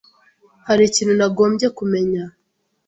Hari ikintu nakagombye kumenya?